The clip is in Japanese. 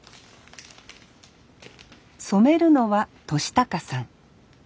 染めるのは敏孝さん。